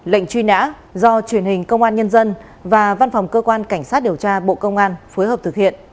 lệnh truy nã do truyền hình công an nhân dân và văn phòng cơ quan cảnh sát điều tra bộ công an phối hợp thực hiện